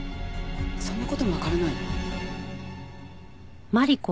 そんな事もわからないの？